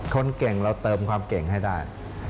คนเก่งเราเติมความเก่งให้ได้